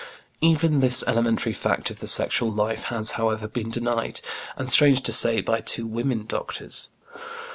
Even this elementary fact of the sexual life has, however, been denied, and, strange to say, by two women doctors.